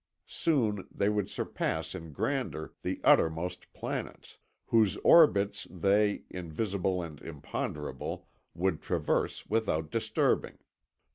Soon they would surpass in grandeur the uttermost planets, whose orbits they, invisible and imponderable, would traverse without disturbing.